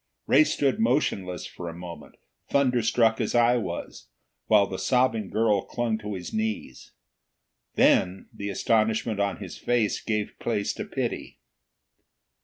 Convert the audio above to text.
Ray stood motionless for a moment, thunder struck as I was, while the sobbing girl clung to his knees. Then the astonishment on his face gave place to pity.